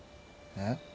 えっ？